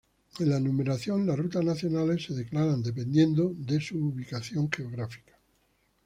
En la numeración, las rutas nacionales se declaran dependiendo de su ubicación geográfica.